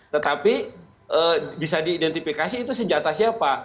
tetapi bisa diidentifikasi itu senjata siapa